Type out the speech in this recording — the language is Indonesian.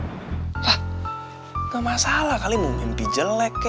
wah gak masalah kali mau mimpi jelek